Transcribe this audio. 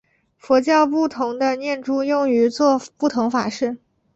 佛教不同的念珠用于作不同法事。